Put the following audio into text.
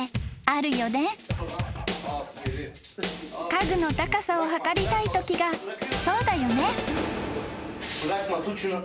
［家具の高さを測りたいときがそうだよね］